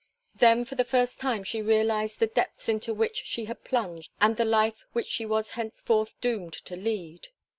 Then for the first time she realised the depths into which she was plunged and the life which she was henceforth doomed to lead.